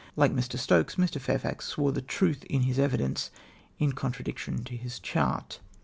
Like Mr. Stokes, Mr. Fairfox swore the truth in his evidence in contradiction to his chart.